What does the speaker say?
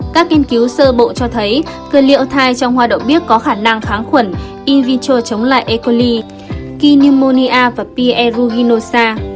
các nghiên cứu sơ bộ cho thấy cliotide trong hoa đậu biếc có khả năng kháng khuẩn in vitro chống lại e coli k pneumonia và p eruginosa